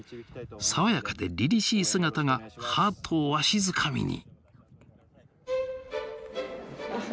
爽やかでりりしい姿がハートをわしづかみに。